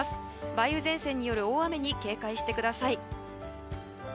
梅雨前線による大雨に警戒してください。